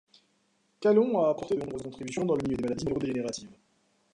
Calon a apporté de nombreuses contributions dans le milieu des maladies neurodégénératives.